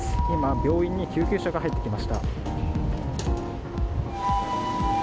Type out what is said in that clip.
今、病院に救急車が入ってきました。